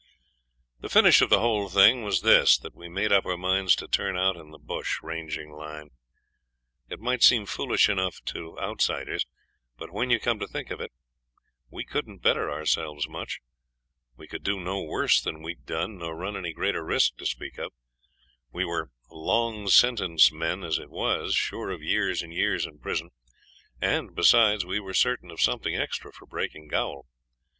The finish of the whole thing was this, that we made up our minds to turn out in the bush ranging line. It might seem foolish enough to outsiders, but when you come to think of it we couldn't better ourselves much. We could do no worse than we had done, nor run any greater risk to speak of. We were 'long sentence men' as it was, sure of years and years in prison; and, besides, we were certain of something extra for breaking gaol.